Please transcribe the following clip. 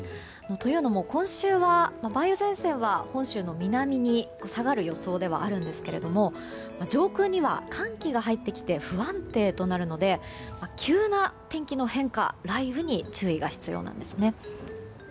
というのも、今週は梅雨前線は本州の南に下がる予想ではあるんですが上空には寒気が入ってきて不安定となるので急な天気の変化、雷雨に注意が必要なんですね。